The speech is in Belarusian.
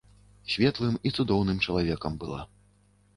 Светлым і цудоўным чалавекам была.